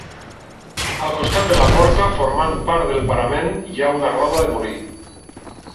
Al costat de la porta, formant part del parament hi ha una roda de molí.